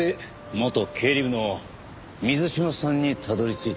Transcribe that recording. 元経理部の水島さんにたどり着いた。